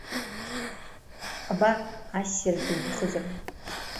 Абар, ассиргьы уҭахызар…